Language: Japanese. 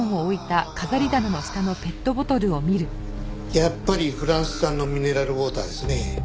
やっぱりフランス産のミネラルウォーターですね。